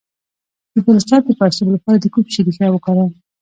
د پروستات د پړسوب لپاره د کوم شي ریښه وکاروم؟